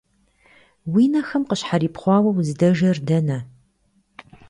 Уи нэхэм къыщхьэрипхъуауэ, уздэжэр дэнэ?